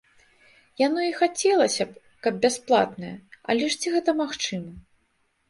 Яно і хацелася б, каб бясплатная, але ж ці гэта магчыма?